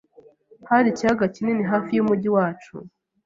Hari ikiyaga kinini hafi yumujyi wacu.